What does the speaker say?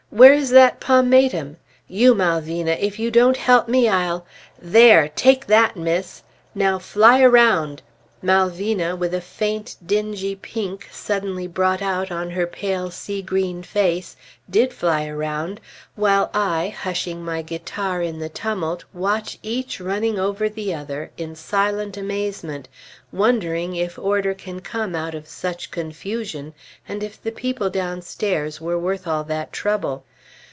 Where is that pomatum? You Malvina! if you don't help me, I'll There! take that, Miss! Now fly around!" Malvina, with a faint, dingy pink suddenly brought out on her pale sea green face, did fly around, while I, hushing my guitar in the tumult, watch each running over the other, in silent amazement, wondering if order can come out of such confusion, and if the people downstairs were worth all that trouble.